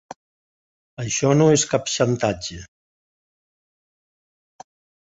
Això no és cap xantatge.